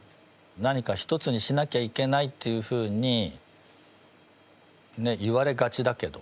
何か１つにしなきゃいけないっていうふうにねっ言われがちだけど。